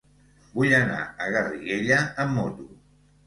Vull anar a Garriguella amb moto.